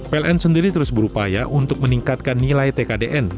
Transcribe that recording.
pln sendiri terus berupaya untuk meningkatkan nilai tkdn